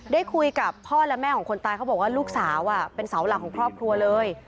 ได้คุยกับพ่อและแม่ของคนตายเขาบอกว่าลูกสาวเป็นเสาหลักของครอบครัวเลย